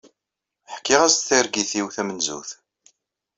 Ḥkiɣ-as-d targit-iw tamenzut.